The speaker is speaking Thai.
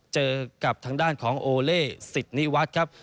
เจอกับทางด้านของโอเล่สิทธิวัฒน์ครับ